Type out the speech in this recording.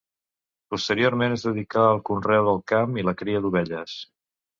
Posteriorment es dedicà al conreu del camp i la cria d'ovelles.